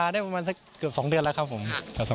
ได้ประมาณสักเกือบ๒เดือนแล้วครับผม